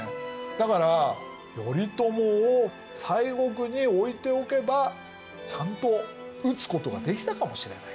だから頼朝を西国に置いておけばちゃんと討つことができたかもしれない。